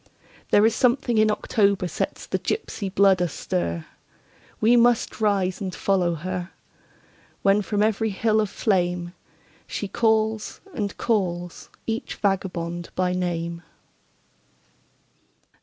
There is something in October sets the gypsy blood astir; We must rise and follow her, When from every hill of flameShe calls and calls each vagabond by name.